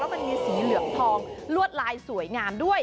มันมีสีเหลืองทองลวดลายสวยงามด้วย